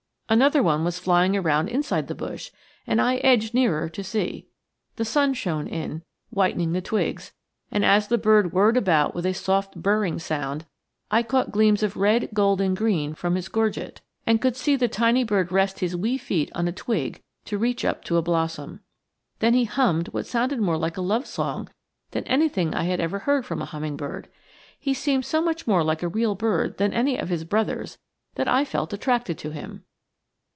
Another one was flying around inside the bush, and I edged nearer to see. The sun shone in, whitening the twigs, and as the bird whirred about with a soft burring sound, I caught gleams of red, gold, and green from his gorget, and could see the tiny bird rest his wee feet on a twig to reach up to a blossom. Then he hummed what sounded more like a love song than anything I had ever heard from a hummingbird. He seemed so much more like a real bird than any of his brothers that I felt attracted to him.